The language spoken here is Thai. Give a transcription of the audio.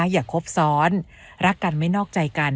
อย่าครบซ้อนรักกันไม่นอกใจกัน